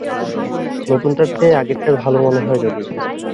নতুনটার চেয়ে আগেরটা ভালো মনে হয় যদি!